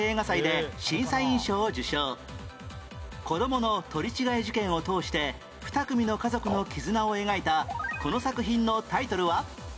子どもの取り違え事件を通して２組の家族の絆を描いたこの作品のタイトルは？